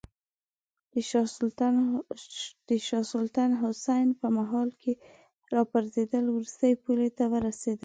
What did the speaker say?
د شاه سلطان حسین په مهال کې راپرزېدل وروستۍ پولې ته ورسېدل.